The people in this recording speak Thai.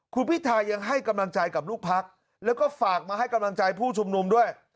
คุณพิทายังให้กำลังใจกับลูกพักแล้วก็ฝากมาให้กำลังใจผู้ชุมนุมด้วย